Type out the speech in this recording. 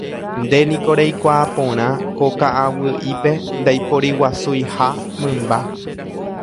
Nde niko reikuaa porã ko ka'aguy'ípe ndaiporiguasuiha mymba